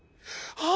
ああ！